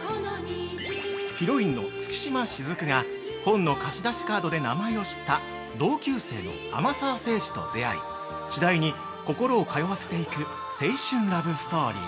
◆ヒロインの月島雫が本の貸し出しカードで名前を知った同級生の天沢聖司と出会い次第に心を通わせていく青春ラブストーリー。